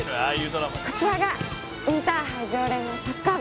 南：こちらがインターハイ常連のサッカー部。